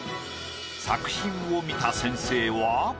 作品を見た先生は。